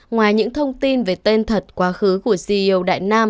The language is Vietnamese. ngoài những thông tin về tên thật quá khứ của ceo đại nam